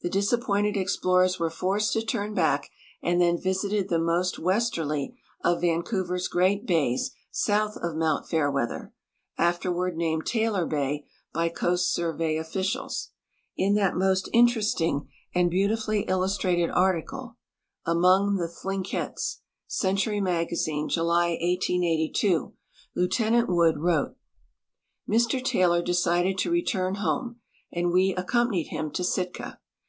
The disappointed ex plorers were forced to turn Ijack, and then visited the most west erly of Vancouver's great ba3"s south of mount Fairweather, afterward named Taylor bay b}^ Coast Survey officials. In that most interesting and beautifully illustrated article, " Among the Thlinkets," Century Magazine, July, 1882, Lieutenant Wood wrote :" !Mr Taylor decided to return home, and we accompanied him to Sitka.